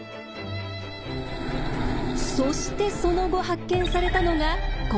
そしてその後発見されたのがこれ。